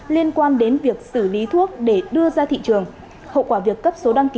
liên quan đến việc xử lý thuốc để đưa ra thị trường